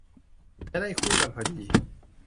จะได้คู่กันพอดี